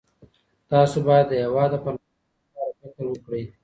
تاسو بايد د هېواد د پرمختګ لپاره فکر وکړو.